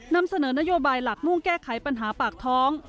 นำเสนอนโยบายหลักมุ่งแก้ไขปัญหาปากท้อง